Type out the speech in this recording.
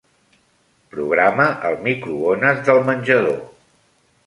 Programa el microones del menjador.